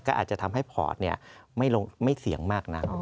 ก็อาจจะทำให้พอร์ตไม่เสี่ยงมากนัก